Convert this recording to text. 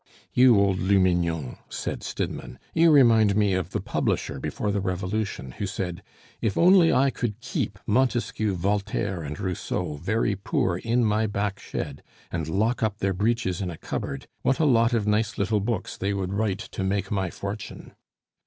"You old Lumignon," said Stidmann, "you remind me of the publisher before the Revolution who said 'If only I could keep Montesquieu, Voltaire, and Rousseau very poor in my backshed, and lock up their breeches in a cupboard, what a lot of nice little books they would write to make my fortune.